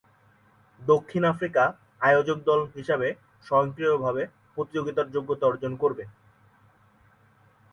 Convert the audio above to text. দক্ষিণ আফ্রিকা আয়োজক দল হিসাবে স্বয়ংক্রিয়ভাবে প্রতিযোগিতার যোগ্যতা অর্জন করবে।